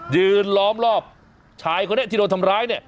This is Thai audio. ยืนล้อมรอบชายเขาเนี้ยที่โดนทำร้ายเนี้ย